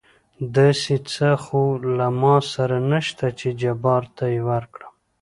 داسې څه خو له ما سره نشته چې جبار ته يې ورکړم.